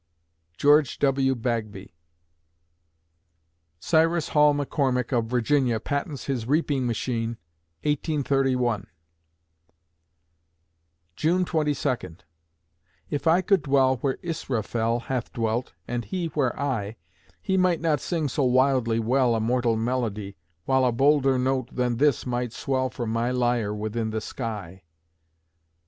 GEORGE W. BAGBY Cyrus Hall McCormick of Virginia patents his reaping machine, 1831 June Twenty Second If I could dwell Where Israfel Hath dwelt, and he where I, He might not sing so wildly well A mortal melody, While a bolder note than this might swell From my lyre within the sky.